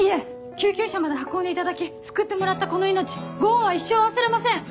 救急車まで運んでいただき救ってもらったこの命ご恩は一生忘れません！